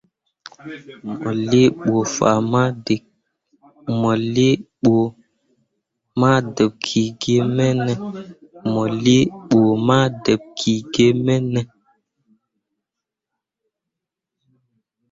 Mo lii kpu ma ɗokki ge mene ?